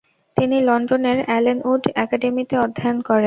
তিনি লন্ডনের অ্যালেনউড অ্যাকাডেমিতে অধ্যয়ন করেন।